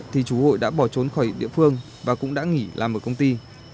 thì chủ hụi đã bỏ trốn khỏi địa phương và cũng đã nghỉ làm ở công ty